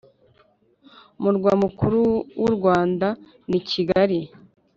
Umurwa mukuru wurwanda ni Kigali